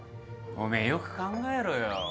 おめえよく考えろよ。